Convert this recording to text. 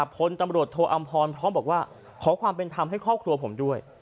พลตำรวจโทอำพรพร้อมบอกว่าขอความเป็นธรรมให้ครอบครัวผมด้วย